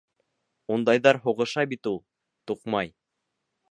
Ундайҙар һуғыша бит ул. Туҡмай.